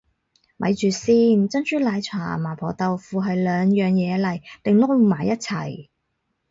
咪住先，珍珠奶茶麻婆豆腐係兩樣嘢嚟定撈埋一齊